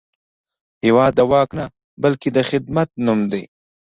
هېواد د واک نه، بلکې د خدمت نوم دی.